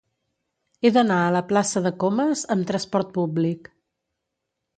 He d'anar a la plaça de Comas amb trasport públic.